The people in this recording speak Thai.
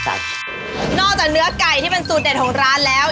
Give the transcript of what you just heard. นอกจากเนื้อไก่ที่เป็นสูตรเด็ดของร้านแล้ว